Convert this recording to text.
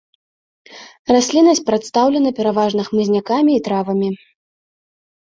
Расліннасць прадстаўлена пераважна хмызнякамі і травамі.